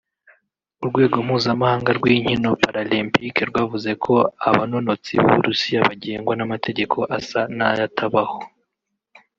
urwego mpuzamakungu rw'inkino paralempike rwavuze ko abanonotsi b'Uburusiya bagengwa n'amategeko asa n'ayatabaho